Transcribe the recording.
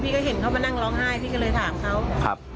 ก็เห็นเขามานั่งร้องไห้พี่ก็เลยถามเขา